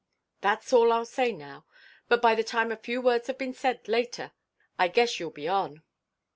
"That's all I'll say now. But by the time a few words have been said, later, I guess you'll be on.